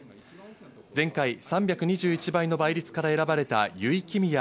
前回３２１倍の倍率から選ばれた油井亀美也